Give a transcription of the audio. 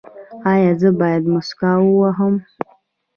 ایا زه باید مسواک ووهم؟